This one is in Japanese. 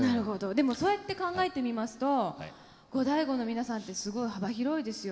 でもそうやって考えてみますとゴダイゴの皆さんってすごい幅広いですよね。